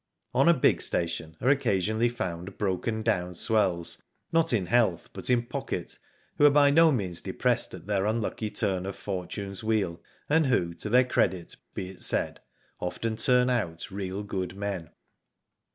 On a big station are occasionally found broken down swells, not in health, but in pocket, who are by no means depressed at their unlucky turn of fortune's wheel, and who, to their credit be it said often turn out real good men.